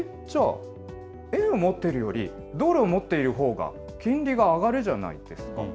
じゃあ円を持ってるより、ドルを持っているほうが金利が上がるじゃないですか。